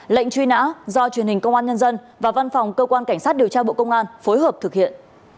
lệnh truy nã do truyền hình công an nhân dân và văn phòng cơ quan cảnh sát điều tra bộ công an phối hợp thực hiện